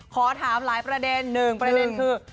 ขอถามหลายประเด็นหนึ่งประเด็นคือ